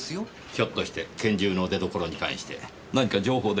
ひょっとして拳銃の出所に関して何か情報でも？